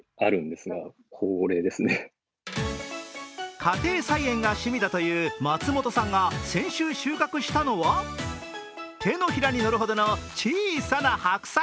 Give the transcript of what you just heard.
家庭菜園が趣味だというまつもとさんが先週収穫したのは手のひらにのるほどの小さな白菜。